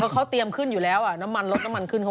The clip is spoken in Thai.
เขาเตรียมขึ้นอยู่แล้วน้ำมันลดน้ำมันขึ้นเขา